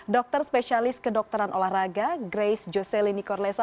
dokter spesialis kedokteran olahraga grace joseli nikorlesa